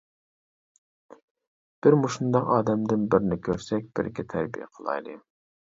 ! بىر مۇشۇنداق ئادەمدىن بىرنى كۆرسەك بىرىگە تەربىيە قىلايلى!